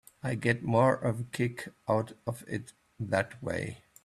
I get more of a kick out of it that way.